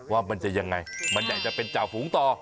ว่ามันจะยังไงมันอยากจะเป็นจ่าฝูงต่อ